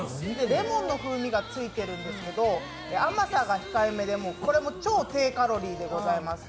レモンの風味がついてるんですけど甘さが控えめでこれも超低カロリーでございます。